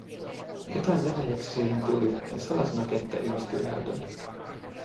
Jotain venäjäksi siihen tuli ja salasanakenttä ilmestyi näytölle.